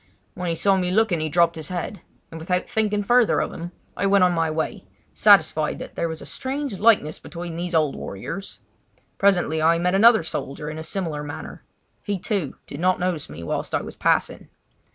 When he saw me looking he dropped his head; and without thinking further of him I went on my way, satisfied that there was a strange likeness between these old warriors. Presently I met another old soldier in a similar manner. He, too, did not notice me whilst I was passing.